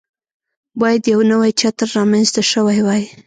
باید یو نوی چتر رامنځته شوی وای.